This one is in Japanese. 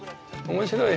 面白い。